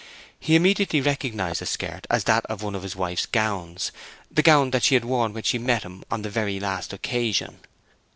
He immediately recognized the skirt as that of one of his wife's gowns—the gown that she had worn when she met him on the very last occasion.